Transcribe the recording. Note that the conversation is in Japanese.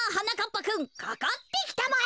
ぱくんかかってきたまえ。